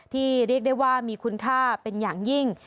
เรียกได้ว่ามีคุณค่าเป็นอย่างยิ่ง